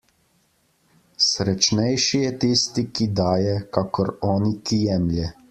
Srečnejši je tisti, ki daje, kakor oni, ki jemlje.